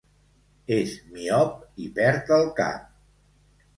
És miop i perd el cap.